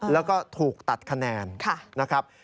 แล้วก็ถูกตัดคะแนนนะครับ